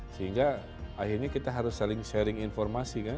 sehingga akhirnya kita harus saling sharing informasi kan